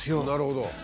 なるほど。